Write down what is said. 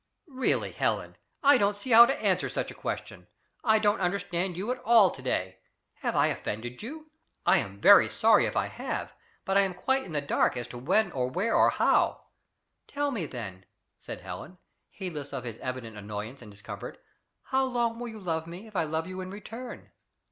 "Really, Helen, I don't see how to answer such a question. I don't understand you at all to day! Have I offended you? I am very sorry if I have, but I am quite in the dark as to when or where or how." "Tell me then," said Helen, heedless of his evident annoyance and discomfort, "how long will you love me if I love you in return?"